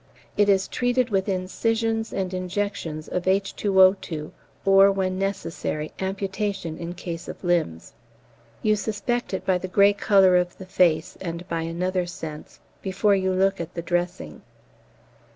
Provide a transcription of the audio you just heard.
It is treated with incisions and injections of H_O_, or, when necessary, amputation in case of limbs. You suspect it by the grey colour of the face and by another sense, before you look at the dressing.